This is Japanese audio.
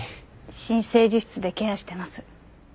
新生児室でケアしてます。